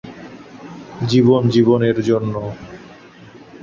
যার মধ্যে পুরুষ জন এবং নারী জন।